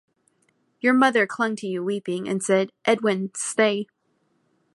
Your mother clung to you weeping, and said, 'Edwin, stay!'